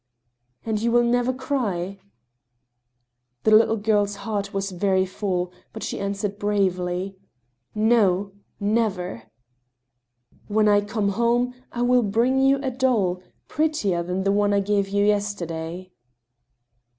" And you will never cry ?" The little girl's heart was very full, but she answered bravely : "No— never." " When I come home I will bring you a doll, prettier than the one I gave you yesterday."